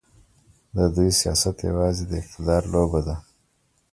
د دوی سیاست یوازې د اقتدار لوبه ده.